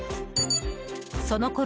そのころ